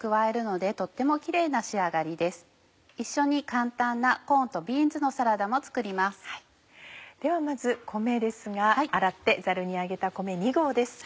ではまず米ですが洗ってザルに上げた米２合です。